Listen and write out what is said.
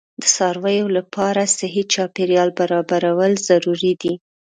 د څارویو لپاره صحي چاپیریال برابرول ضروري دي.